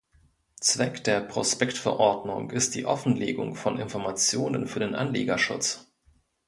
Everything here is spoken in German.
Zweck der Prospektverordnung ist die Offenlegung von Informationen für den Anlegerschutz.